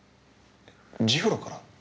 ジフロから？